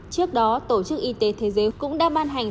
trước đó tổ chức y tế thế giới cũng đã ban hành